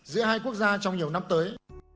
giữa hai quốc gia trong nhiều năm tới